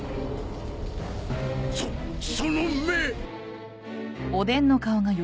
そその目！